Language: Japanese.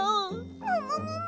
もももも！